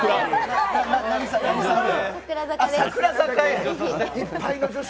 櫻坂。